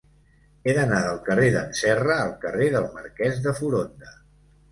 He d'anar del carrer d'en Serra al carrer del Marquès de Foronda.